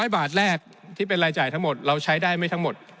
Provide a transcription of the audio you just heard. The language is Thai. ๐บาทแรกที่เป็นรายจ่ายทั้งหมดเราใช้ได้ไม่ทั้งหมด